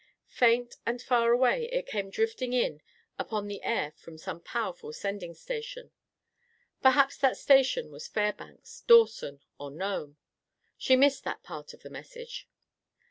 Faint and far away, it came drifting in upon the air from some powerful sending station. Perhaps that station was Fairbanks, Dawson or Nome. She missed that part of the message.